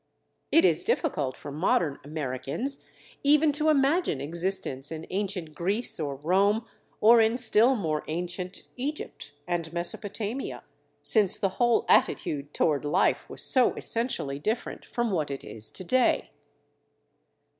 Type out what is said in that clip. It is difficult for modern Americans even to imagine existence in ancient Greece or Rome or in still more ancient Egypt and Mesopotamia—since the whole attitude toward life was so essentially different from what it is to day.